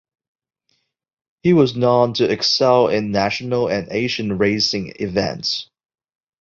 He was known to excel in national and Asian racing events.